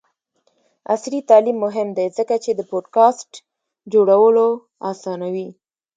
عصري تعلیم مهم دی ځکه چې د پوډکاسټ جوړولو اسانوي.